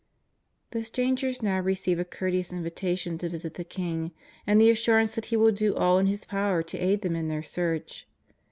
The strangers now receive a courteous invitation to visit the king, with the assurance that he will do all in his power to aid them in their search.